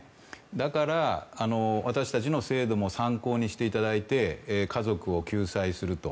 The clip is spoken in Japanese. だから、私たちの制度も参考にしていただいて家族を救済すると。